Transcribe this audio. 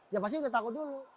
ya pasti udah takut dulu